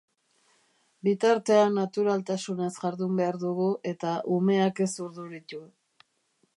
Bitartean naturaltasunez jardun behar dugu eta umeak ez urduritu.